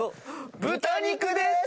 豚肉です！